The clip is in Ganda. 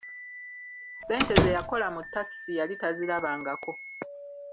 Ssente ze yakola mu takisi yali tazirabangako.